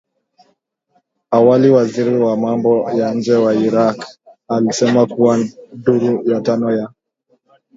Awali waziri wa mambo ya nje wa Iraq, alisema kuwa duru ya tano ya